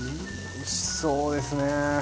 おいしそうですね！